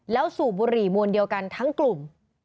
แล้วสูบบุหรี่มวลเดียวกันทั้งกลุ่ม